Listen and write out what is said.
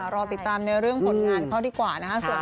รอติดตามในเรื่องผลงานเขาดีกว่านะคะ